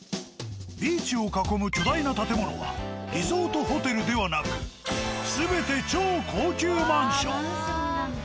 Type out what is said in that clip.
ビーチを囲む巨大な建物はリゾートホテルではなくマンションなんだ。